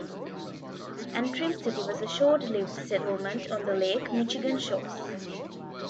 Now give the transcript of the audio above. Antrim City was a short-lived settlement on the Lake Michigan shores.